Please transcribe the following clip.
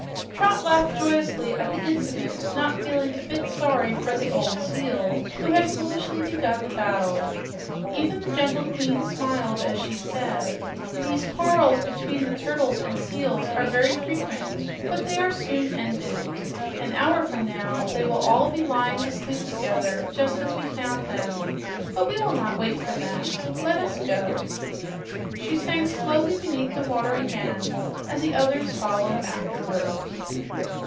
Trot laughed joyously at the incident, not feeling a bit sorry for the old seal who had foolishly begun the battle. Even the gentle queen smiled as she said: "These quarrels between the turtles and the seals are very frequent, but they are soon ended. An hour from now they will all be lying asleep together just as we found them; but we will not wait for that. Let us go." She sank slowly beneath the water again, and the others followed after her.